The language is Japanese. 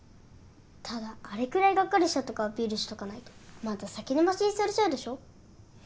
ただあれくらいがっかりしたとこアピールしとかないとまた先延ばしにされちゃうでしょ。